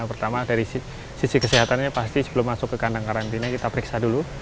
pertama dari sisi kesehatannya pasti sebelum masuk ke kandang karantina kita periksa dulu